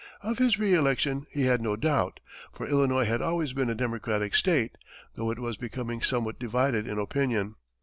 Of his re election he had no doubt, for Illinois had always been a Democratic state, though it was becoming somewhat divided in opinion.